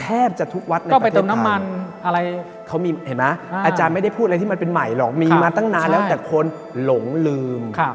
แทบจะทุกวัดในประเทศไทยอาจารย์ไม่ได้พูดอะไรที่มันเป็นใหม่หรอกมีมาตั้งนานแล้วแต่คนหลงลืม